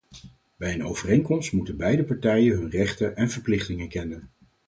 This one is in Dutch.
Bij een overeenkomst moeten beide partijen hun rechten en verplichtingen kennen.